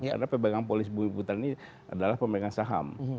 karena pemegang polis bumi putra ini adalah pemegang saham